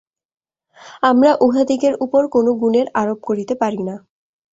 আমরা উহাদিগের উপর কোন গুণের আরোপ করিতে পারি না।